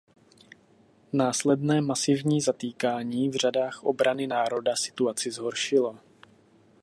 Následné masivní zatýkání v řadách Obrany národa situaci zhoršilo.